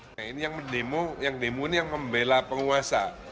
nah ini yang demo ini yang membela penguasa